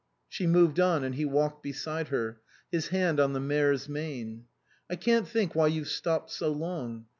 She moved on, and he walked beside her, his hand on the mare's mane. " I can't think why you've stopped so long.